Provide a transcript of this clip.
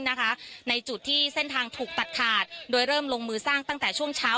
ในจุดที่เส้นทางถูกตัดขาดโดยเริ่มลงมือสร้างตั้งแต่ช่วงเช้า